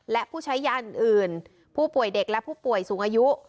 และผู้ใช้ยาอื่นผู้ป่วยเด็กและผู้ป่วยสูงอายุ